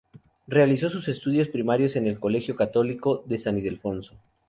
Realizó sus estudios primarios en el Colegio Católico de San Ildefonso.